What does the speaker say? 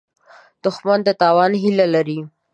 دښمن د تاوان هیله لري